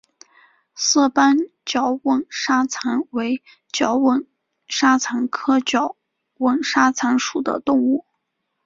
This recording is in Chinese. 色斑角吻沙蚕为角吻沙蚕科角吻沙蚕属的动物。